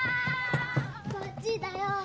こっちだよ！